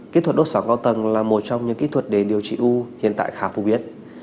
kỹ thuật đốt sóng cao tầng là một trong những kỹ thuật để điều trị ưu hiện tại khá phục biến